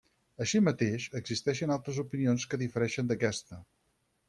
Així mateix, existeixen altres opinions que difereixen d'aquesta.